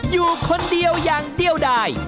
อยู่คนเดียวอย่างเดียวได้